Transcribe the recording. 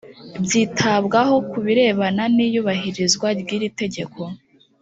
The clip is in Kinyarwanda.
byitabwaho kubirebana n iyubahirizwa ry iritegeko